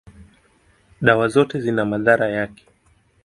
dawa zote zina madhara yake.